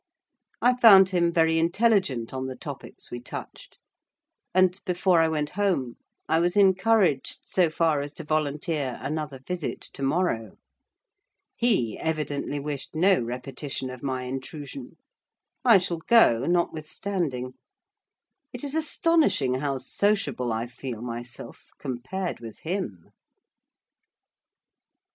I found him very intelligent on the topics we touched; and before I went home, I was encouraged so far as to volunteer another visit to morrow. He evidently wished no repetition of my intrusion. I shall go, notwithstanding. It is astonishing how sociable I feel myself compared with him.